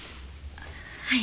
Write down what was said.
はい。